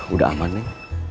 udah aman nih